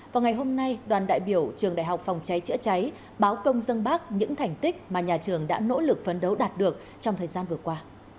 vào ngày hôm nay đoàn đại biểu trường đại học phòng cháy chữa cháy báo công dân bác những thành tích mà nhà trường đã nỗ lực phấn đấu đạt được trong thời gian vừa qua